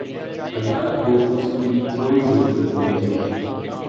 اللہ کو اس کی کوئی ضرورت نہیں